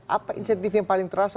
apa insentif yang paling terasa